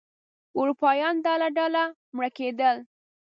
اروپایان ډله ډله مړه کېدل.